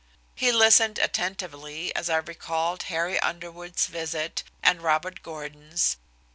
He listened attentively as I recalled Harry Underwood's visit, and Robert Gordon's.